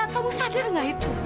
kamu sadar nggak itu